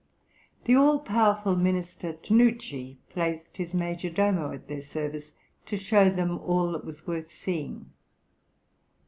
The all powerful minister Tanucci, placed his major domo at their service, to show them all that was worth seeing.